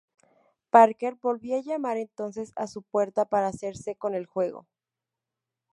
Parker volvió a llamar entonces a su puerta para hacerse con el juego.